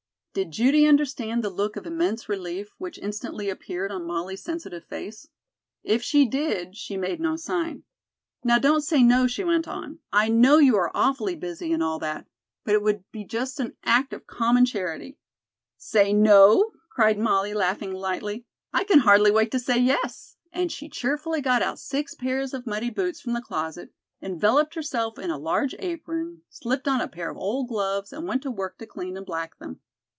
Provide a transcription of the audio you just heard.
Did Judy understand the look of immense relief which instantly appeared on Molly's sensitive face? If she did she made no sign. "Now, don't say no," she went on. "I know you are awfully busy, and all that, but it would be just an act of common charity." "Say no?" cried Molly, laughing lightly. "I can hardly wait to say yes," and she cheerfully got out six pairs of muddy boots from the closet, enveloped herself in a large apron, slipped on a pair of old gloves and went to work to clean and black them.